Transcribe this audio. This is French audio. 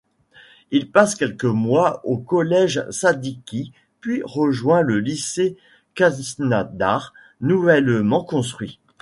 Il passe quelques mois au Collège Sadiki puis rejoint le lycée Khaznadar nouvellement construit.